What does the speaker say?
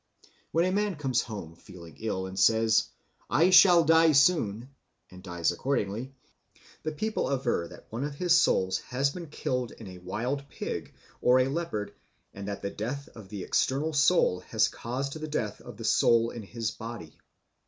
When a man comes home, feeling ill, and says, "I shall soon die," and dies accordingly, the people aver that one of his souls has been killed in a wild pig or a leopard and that the death of the external soul has caused the death of the soul in his body.